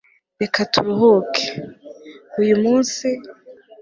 reka turuhuke.uyumunsi